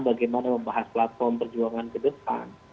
bagaimana membahas platform perjuangan ke depan